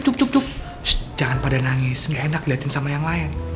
shhh jangan pada nangis ga enak liatin sama yang lain